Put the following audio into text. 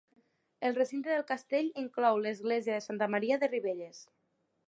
El recinte del castell inclou l'església de Santa Maria de Ribelles.